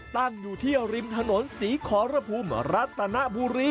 ตั้งอยู่ที่ริมถนนศรีขอระพุมรัตนบุรี